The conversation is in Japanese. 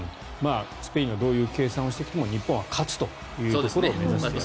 スペインがどういう計算をしてきても日本は勝つというところを目指すと。